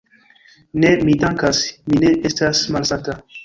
Ne, mi dankas, mi ne estas malsata.